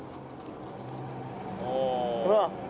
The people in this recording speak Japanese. ほら。